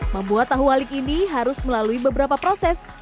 membuat tahu wali ini harus melalui beberapa proses